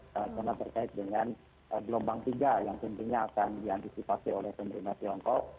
karena terkait dengan gelombang tiga yang tentunya akan diantisipasi oleh pemerintah tiongkok